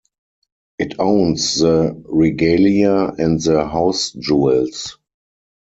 It owns the regalia and the House-jewels.